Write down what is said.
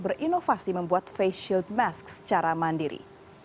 berinovasi membuat face shield mask secara mandiri